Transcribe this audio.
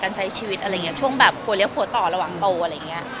ใช้ชีวิตอะไรอย่างนี้ช่วงแบบผัวเลี้ยหัวต่อระหว่างโตอะไรอย่างเงี้ย